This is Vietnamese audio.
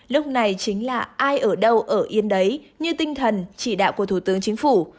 lúc này chính là ai ở đâu ở yên đấy như tinh thần chỉ đạo của thủ tướng chính phủ